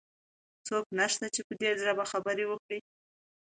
څوک نشته چې په دي ژبه خبرې وکړي؟